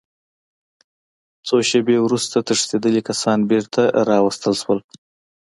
څو شېبې وروسته تښتېدلي کسان بېرته راوستل شول